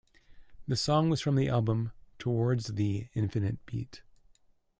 The song was from the album "Towards Thee Infinite Beat".